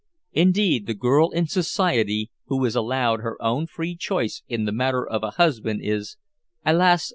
Indeed, the girl in Society who is allowed her own free choice in the matter of a husband is, alas!